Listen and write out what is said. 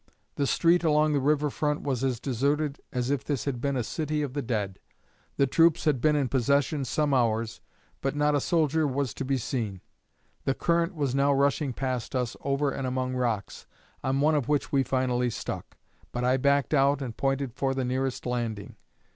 The street along the river front was as deserted as if this had been a city of the dead. The troops had been in possession some hours, but not a soldier was to be seen. The current was now rushing past us over and among rocks, on one of which we finally stuck; but I backed out and pointed for the nearest landing.